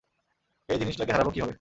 এই জিনিসটাকে হারাব কীভাবে?